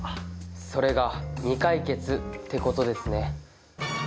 それが「未解決」ってことですね。